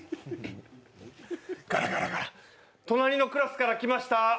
ガラガラガラ隣のクラスから来ました。